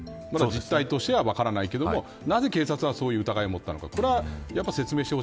実態は分からないですけど、なぜ警察はそういう疑いを持ったのか。